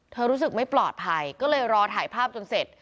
รู้สึกไม่ปลอดภัยก็เลยรอถ่ายภาพจนเสร็จ